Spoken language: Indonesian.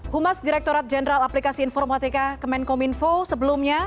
humas direkturat jenderal aplikasi informatika kemenkominfo sebelumnya